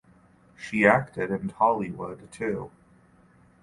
She acted in Tollywood too.